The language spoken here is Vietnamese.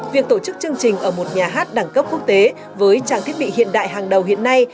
việc tổ chức chương trình ở một nhà hát đẳng cấp quốc tế với trang thiết bị hiện đại hàng đầu hiện nay